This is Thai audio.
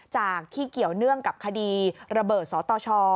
จากที่เกี่ยวเนื่องกับคดีระเบิดสตช